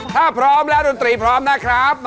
ถ้าพร้อมแล้วดนตรีพร้อมนะครับ